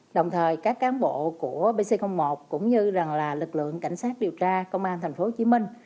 đồng thời các cán bộ của bc một cũng như lực lượng cảnh sát điều tra công an thành phố hồ chí minh